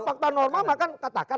kalau fakta normal mah kan katakan